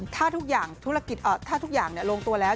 ถ้าทุกอย่างลงตัวแล้ว